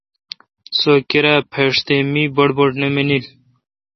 سو کرا پیݭ تہ می بڑبڑ نہ منیل۔